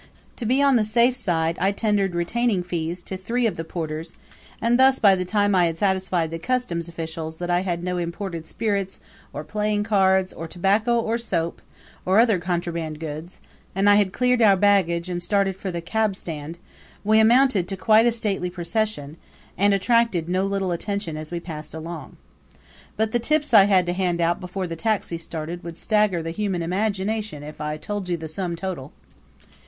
To be on the safe side I tendered retaining fees to three of the porters; and thus by the time I had satisfied the customs officials that I had no imported spirits or playing cards or tobacco or soap, or other contraband goods, and had cleared our baggage and started for the cabstand, we amounted to quite a stately procession and attracted no little attention as we passed along. But the tips I had to hand out before the taxi started would stagger the human imagination if I told you the sum total.